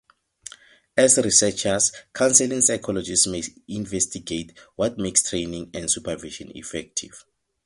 As researchers, counseling psychologists may investigate what makes training and supervision effective.